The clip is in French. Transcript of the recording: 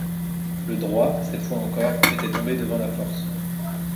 Le droit, cette fois encore, était tombé devant la force.